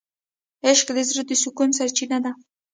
عشق د زړه د سکون سرچینه ده.